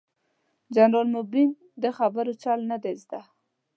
جنرال مبين ده خبرو چل نه دې زده.